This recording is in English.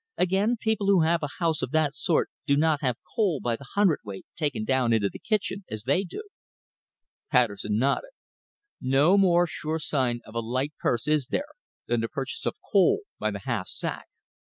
Again, people who have a house of that sort do not have coal by the hundredweight taken down into the kitchen as they do." Patterson nodded. No more sure sign of a light purse is there than the purchase of coal by the half sack.